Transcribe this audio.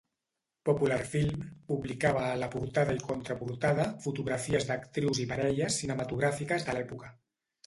Popular Film publicava a la portada i contraportada, fotografies d'actrius i parelles cinematogràfiques de l'època.